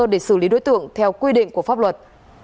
để xử lý đối tượng theo quy định của pháp luật